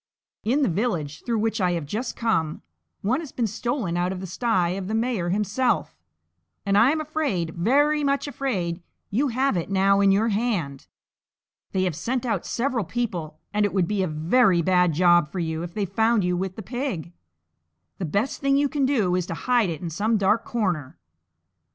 In the village through which I have just come, one has been stolen out of the sty of the mayor himself; and I am afraid, very much afraid, you have it now in your hand! They have sent out several people, and it would be a very bad job for you if they found you with the pig; the best thing you can do is to hide it in some dark corner!"